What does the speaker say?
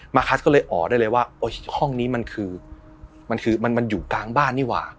คัสก็เลยอ๋อได้เลยว่าห้องนี้มันคือมันคือมันอยู่กลางบ้านนี่หว่า